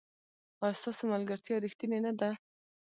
ایا ستاسو ملګرتیا ریښتینې نه ده؟